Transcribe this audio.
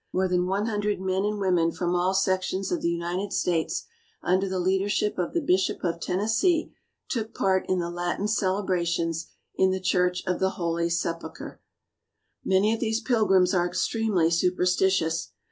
More than one hundred men and women from all sec tions of the United States, under the leadership of the Bishop of Tennessee, took part in the Latin celebrations in the Church of the Holy Sepulchre. Many of these pilgrims are extremely superstitious.